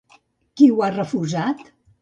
Qui ho ha refusat?